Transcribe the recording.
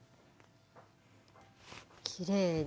きれいに。